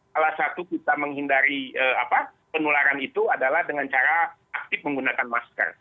salah satu kita menghindari penularan itu adalah dengan cara aktif menggunakan masker